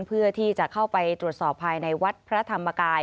เพื่อที่จะเข้าไปตรวจสอบภายในวัดพระธรรมกาย